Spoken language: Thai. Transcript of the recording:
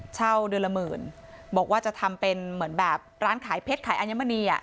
เช่าเดือนละหมื่นบอกว่าจะทำเป็นเหมือนแบบร้านขายเพชรขายอัญมณี